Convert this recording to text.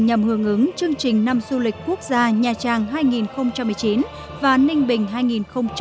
nhằm hưởng ứng chương trình năm du lịch quốc gia nhà trang hai nghìn một mươi chín và ninh bình hai nghìn hai mươi